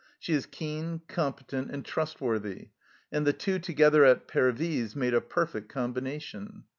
She is keen, competent, and trustworthy, and the two together at Pervyse made a perfect combination.